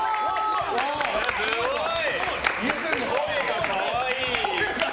すごい！